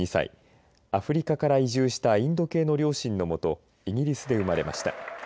アフリカから移住したインド系の両親のもと、イギリスで生まれました。